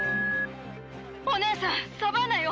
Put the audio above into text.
お姉さん、サバンナよ。